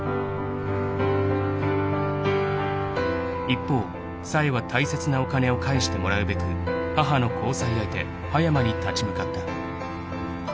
［一方冴は大切なお金を返してもらうべく母の交際相手葉山に立ち向かった］